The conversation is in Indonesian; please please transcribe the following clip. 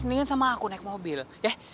seneng sama aku naik mobil ya